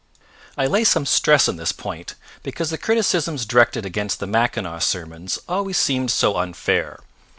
I lay some stress on this point because the criticisms directed against the Mackinaw sermons always seemed so unfair.